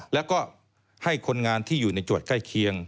แล้วก็ให้คนงานที่อยู่ในจวดใกล้เคียง